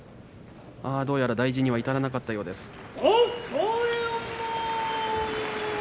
どうやら大事には至らなかったようです。